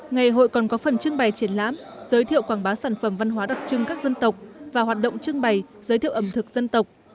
ngày hội còn có phần trưng bày triển lãm giới thiệu quảng bá sản phẩm văn hóa đặc trưng các dân tộc và hoạt động trưng bày giới thiệu ẩm thực dân tộc